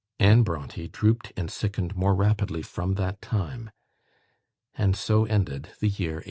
Anne Brontë drooped and sickened more rapidly from that time; and so ended the year 1848.